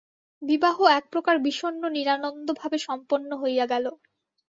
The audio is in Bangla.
বিবাহ একপ্রকার বিষণ্ন নিরানন্দ ভাবে সম্পন্ন হইয়া গেল।